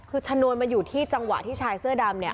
คือชนวนมาอยู่ที่จังหวะที่ชายเสื้อดำเนี่ย